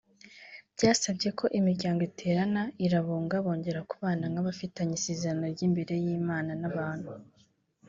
Byasabye ko imiryango iterana irabunga bongera kubana nk’abafitanye isezerano ry’imbere y’Imana n’abantu